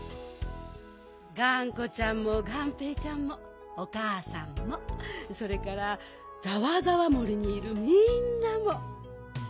がんこちゃんもがんぺーちゃんもおかあさんもそれからざわざわ森にいるみんなも。